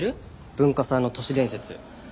文化祭の都市伝説。